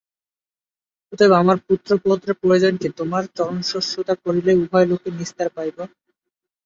অতএব আমার পুত্র পৌত্রে প্রয়োজন কি তোমার চরণশুশ্রূষা করিলেই উভয় লোকে নিস্তার পাইব।